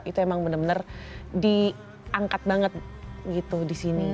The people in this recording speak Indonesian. itu emang benar benar diangkat banget gitu disini